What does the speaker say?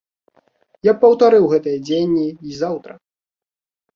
Я б паўтарыў гэтыя дзеянні і заўтра.